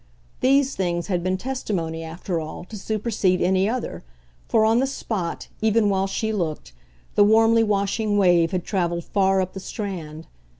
These things had been testimony, after all, to supersede any other, for on the spot, even while she looked, the warmly washing wave had travelled far up the strand.